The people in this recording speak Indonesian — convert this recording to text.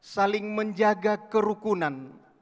saling menjaga kerukunan